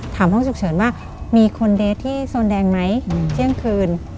ห้องฉุกเฉินว่ามีคนเดทที่โซนแดงไหมเที่ยงคืน